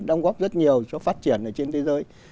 đóng góp rất nhiều cho phát triển ở trên thế giới